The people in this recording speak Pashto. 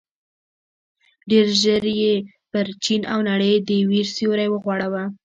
ډېر ژر یې پر چين او نړۍ د وېر سيوری وغوړاوه.